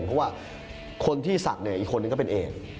เพราะว่าคนที่สั่งเองอีกคนนึงก็เป็นเอง